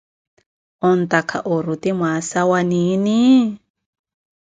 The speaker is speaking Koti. Ontakha oruti mwaasa wa niini?